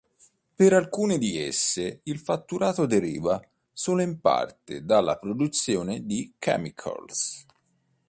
Per alcune di esse il fatturato deriva solo in parte dalla produzione di "chemicals".